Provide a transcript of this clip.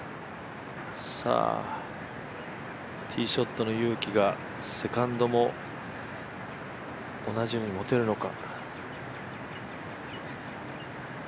ティーショットの勇気がセカンドも同じように持てるのか。